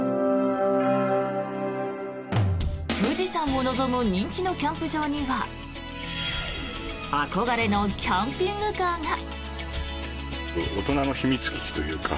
富士山を望む人気のキャンプ場には憧れのキャンピングカーが。